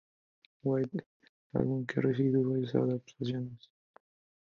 White Album ha recibido varias adaptaciones.